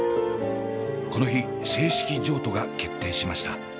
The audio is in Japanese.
この日正式譲渡が決定しました。